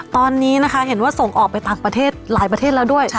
ตอนนี้นะคะเห็นว่าส่งออกไปต่างประเทศหลายประเทศแล้วด้วย